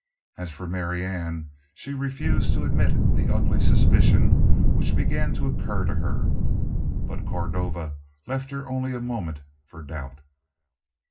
As for Marianne she refused to admit the ugly suspicion which began to occur to her. But Cordova left her only a moment for doubt.